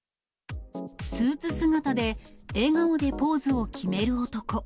スーツ姿で、笑顔でポーズを決める男。